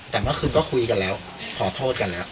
แต่เมื่อคืนก็คุยกันแล้วขอโทษกันแล้ว